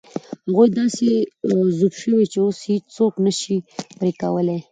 هغوی داسې ذوب شوي چې اوس یې هېڅوک نه شي پرې کولای.